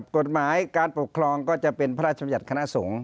กฎหมายการปกครองก็จะเป็นพระราชบัญญัติคณะสงฆ์